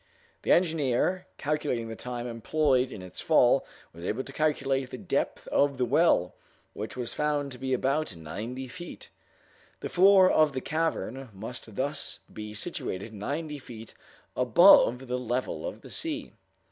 The engineer, calculating the time employed in its fall, was able to calculate the depth of the well, which was found to be about ninety feet. The floor of the cavern must thus be situated ninety feet above the level of the sea.